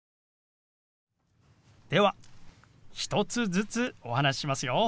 では１つずつお話ししますよ。